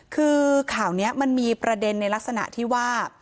คือข่าวนี้มันมีประเด็นในลักษณะที่ว่า